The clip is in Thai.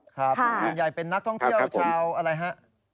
ส่วนใหญ่เป็นนักท่องเที่ยวชาวอะไรฮะ